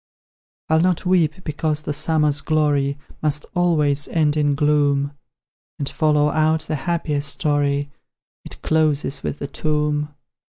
I'll not weep, because the summer's glory Must always end in gloom; And, follow out the happiest story It closes with a tomb!